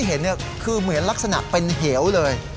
เหมือนลักษณะเป็นเหี้ยวเลย